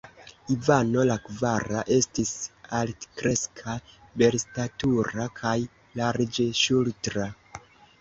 Ivano la kvara estis altkreska, belstatura kaj larĝŝultra.